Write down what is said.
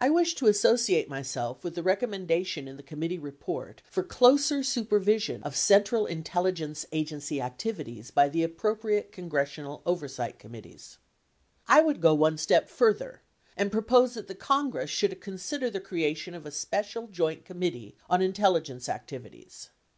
I wish to associate myself with the rec ommendation in the committee report for closer supervision of Cen tral Intelligence Agency activities by the appropriate congressional oversight committees. I would go one step further and propose that the Congress should consider the creation of a Special Joint Committee on Intelligence Activities.